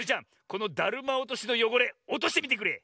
このだるまおとしのよごれおとしてみてくれ。